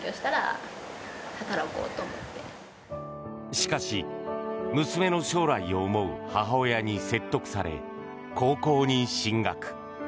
しかし、娘の将来を思う母親に説得され、高校に進学。